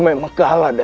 jangan dip lindsay